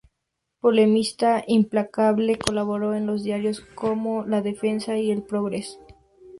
Polemista implacable, colaboró en los diarios como La Defensa y El Progreso.